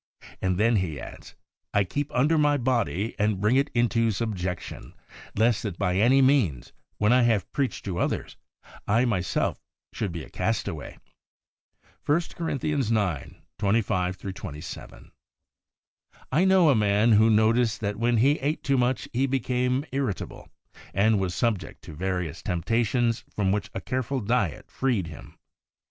And then he adds, ' I keep under my body, and bring it into subjection ; lest that by any means, when I have preached to others, I myself should be a castaway' (i Cor. ix. 25 27). I know a man who noticed that when he ate too much he became irritable, and was subject to various temptations from which a careful diet freed him.